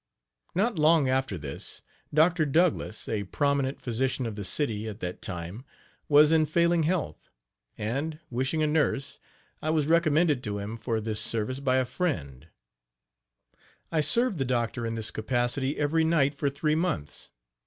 H2> Not long after this, Dr. Douglas, a prominent physician of the city at that time, was in failing health, and, wishing a nurse, I was recommended to him for this service by a friend. I served the doctor in this capacity every night for three months.